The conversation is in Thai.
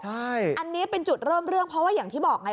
ใช่อันนี้เป็นจุดเริ่มเรื่องเพราะว่าอย่างที่บอกไง